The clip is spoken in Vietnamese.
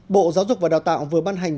bộ giáo dục và đào tạo vừa ban hành